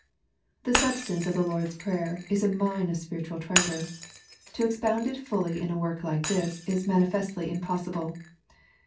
The substance of the Lord's Prayer is a mine of spir itual treasure. To expound it fully in a work like this, is manifestly impossible.